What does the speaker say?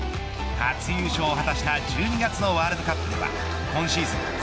初優勝を果たした１２月のワールドカップでは今シーズン